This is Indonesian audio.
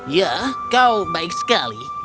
ya kau baik sekali